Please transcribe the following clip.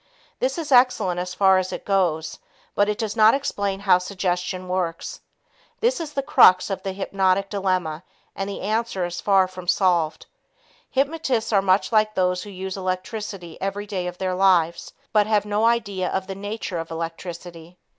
This is excellent as far as it goes, but it does not explain how suggestion works. This is the crux of the hypnotic dilemma and the answer is far from solved. Hypnotists are much like those who use electricity every day of their lives, but have no idea of the nature of electricity.